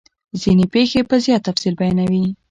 ځیني پیښې په زیات تفصیل بیانوي.